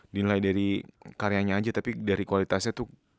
nilai dari karyanya aja tapi dari kualitasnya tuh